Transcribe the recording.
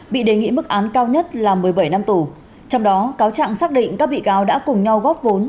bị đề nghị mức án cao nhất là một mươi bảy năm tù trong đó cáo trạng xác định các bị cáo đã cùng nhau góp vốn